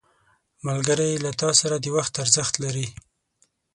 ملګری له تا سره د وخت ارزښت لري